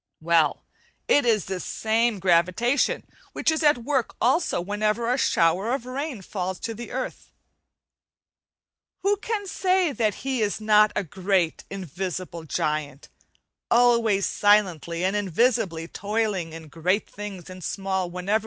Well, it is this same gravitation which is a t work also whenever a shower of rain falls to the earth. Who can say that he is not a great invisible giant, always silently and invisibly toiling in great things and small whether we wake or sleep?